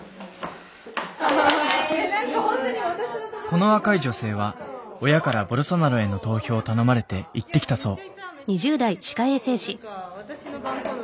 この若い女性は親からボルソナロへの投票を頼まれて行ってきたそう。